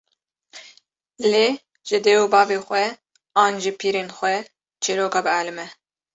lê ji dê û bavê xwe an ji pîrên xwe çîroka bielime